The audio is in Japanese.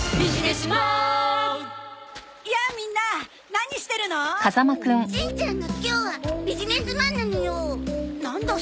しんちゃんが今日はビジネスマンなのよ。